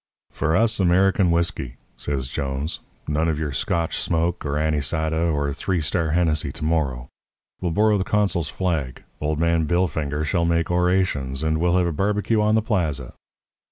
"'For us American whisky,' says Jones 'none of your Scotch smoke or anisada or Three Star Hennessey to morrow. We'll borrow the consul's flag; old man Billfinger shall make orations, and we'll have a barbecue on the plaza.'